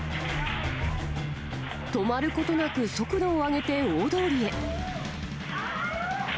止まることなく速度を上げて大通りへ。